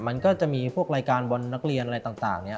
มันก็จะมีพวกรายการบอลนักเรียนอะไรต่างเนี่ย